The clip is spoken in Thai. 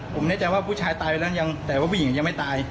ผมแน่ใจว่าผู้ชายตายไปแล้วยังแต่ว่าผู้หญิงยังไม่ตาย